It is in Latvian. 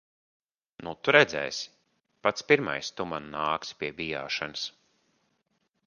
Nu tu redzēsi. Pats pirmais tu man nāksi pie bijāšanas.